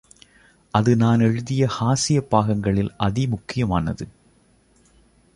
அது நான் எழுதிய ஹாஸ்ய பாகங்களில் அதி முக்கியமானது.